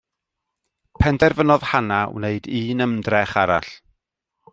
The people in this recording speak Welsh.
Penderfynodd Hannah wneud un ymdrech arall.